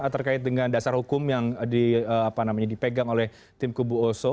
terkait dengan dasar hukum yang dipegang oleh tim kubu oso